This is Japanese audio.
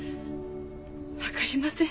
わかりません。